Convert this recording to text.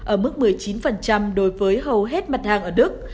ở mức một mươi chín đối với hầu hết mặt hàng ở đức